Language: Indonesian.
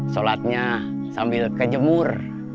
sholatnya sambil kejemur